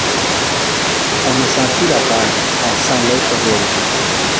On ne sent plus la terre, on sent l’autre réalité.